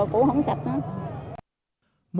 cô không sạch nữa